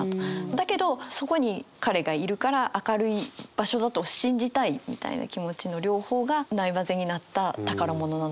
だけどそこに彼がいるから明るい場所だと信じたいみたいな気持ちの両方がない交ぜになった宝物なのかな。